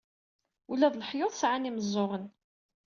Ula d leḥyuḍ sɛan imeẓẓuɣen.